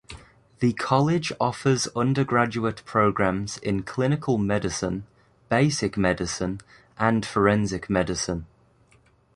The college offers undergraduate programs in Clinical Medicine, Basic Medicine and Forensic Medicine.